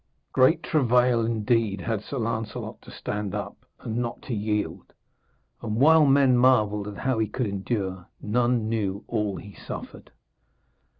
Great travail indeed had Sir Lancelot to stand up and not to yield; and while men marvelled how he could endure, none knew all he suffered.